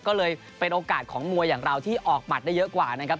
ก็เลยเป็นโอกาสของมวยอย่างเราที่ออกหมัดได้เยอะกว่านะครับ